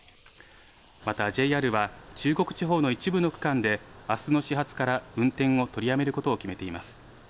また、ＪＲは中国地方の一部の区間であすの始発から運転を取りやめることを決めています。